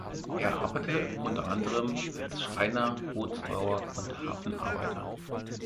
Er arbeitete unter anderem als Schreiner, Bootsbauer und Hafenarbeiter.